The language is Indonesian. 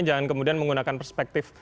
jangan kemudian menggunakan perspektif